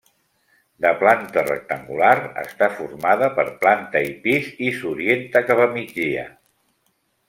De planta rectangular, està formada per planta i pis i s'orienta cap a migdia.